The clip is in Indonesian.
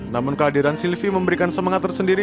namun kehadiran sylvie memberikan semangat tersendiri